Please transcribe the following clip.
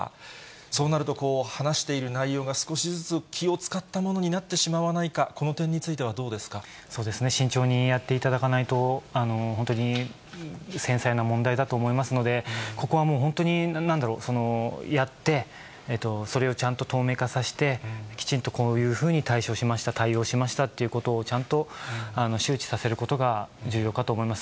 そうなると、話している内容が少しずつ気を遣ったものになってしまわないか、そうですね、慎重にやっていただかないと本当に繊細な問題だと思いますので、ここはもう本当になんだろう、やって、それをちゃんと透明化させて、きちんとこういうふうに対処しました、対応しましたっていうことをちゃんと周知させることが重要かと思います。